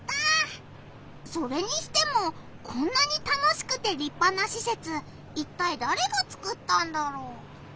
それにしてもこんなに楽しくてりっぱなしせついったいだれがつくったんだろう？